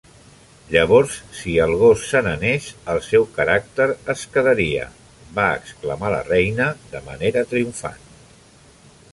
"Llavors, si el gos se n"anés, el seu caràcter es quedaria!, va exclamar la reina de manera triomfant.